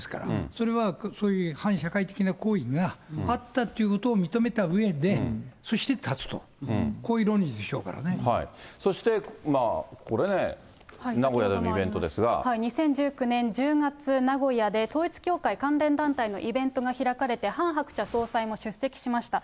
それはこういう反社会的な行為があったっていうことを認めたうえで、そして断つと、そしてまあ、これね、２０１９年１０月、名古屋で統一教会関連団体のイベントが開かれて、ハン・ハクチャ総裁も出席していました。